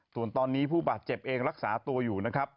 ส่วนตอนนี้ผู้บาดเจ็บเองรักษาตัวอยู่นะครับ